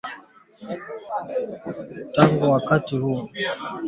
Tangu wakati huo magaidi kwa bahati mbaya wamekuwa na nguvu zaidi